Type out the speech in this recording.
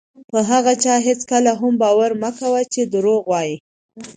په هغه چا هېڅکله هم باور مه کوئ چې دروغ وایي.